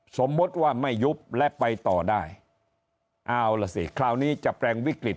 สมมุติว่าไม่ยุบและไปต่อได้เอาล่ะสิคราวนี้จะแปลงวิกฤต